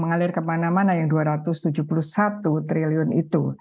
mengalir kemana mana yang dua ratus tujuh puluh satu triliun itu